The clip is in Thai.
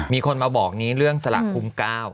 มีคนมาบอกนี้เรื่องสละคุ้ม๙